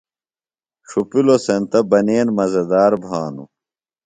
ڇُھپِلوۡ سینتہ بنین مزدار بھانوۡ۔